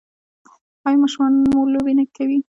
ایا ماشومان مو لوبې کوي؟